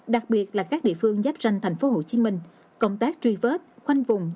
đặc biệt là các địa phương giáp ranh thành phố hồ chí minh